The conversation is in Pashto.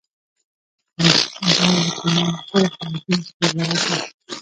دا له پلان شوو فعالیتونو څخه عبارت ده.